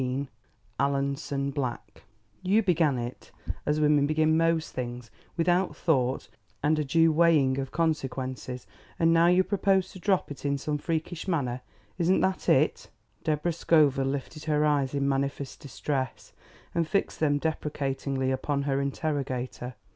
XIX ALANSON BLACK "You began it, as women begin most things, without thought and a due weighing of consequences. And now you propose to drop it in the same freakish manner. Isn't that it?" Deborah Scoville lifted her eyes in manifest distress and fixed them deprecatingly upon her interrogator.